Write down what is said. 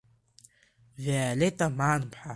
Виолета Маанԥҳа…